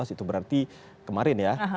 itu berarti kemarin ya